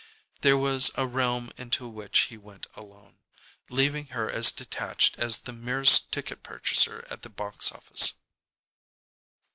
There was a realm into which he went alone, leaving her as detached as the merest ticket purchaser at the box office.